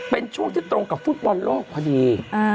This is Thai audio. เป็นช่วงที่ตรงกับฟุตบอลโลกพอดี